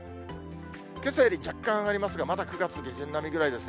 けさより若干上がりますが、まだ９月下旬並みぐらいですね。